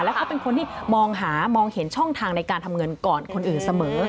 เขาเป็นคนที่มองหามองเห็นช่องทางในการทำเงินก่อนคนอื่นเสมอ